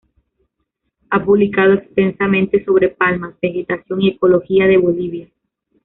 Ha publicado extensamente sobre palmas, vegetación, y ecología de Bolivia.